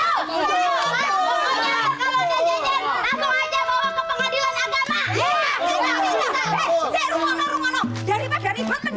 pokoknya kalau ada jejen langsung aja bawa ke pengadilan agama